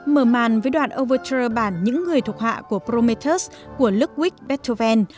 mở màn với đoạn overture bản những người thuộc hạ của prometheus của ludwig beethoven